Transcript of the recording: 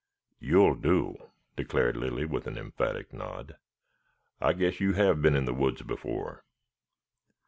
"You'll do," declared Lilly with an emphatic nod. "I guess you have been in the woods before."